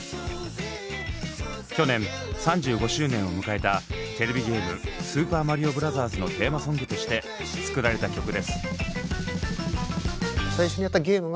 去年３５周年を迎えたテレビゲーム「スーパーマリオブラザーズ」のテーマソングとして作られた曲です。